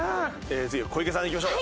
次は小池さんいきましょう。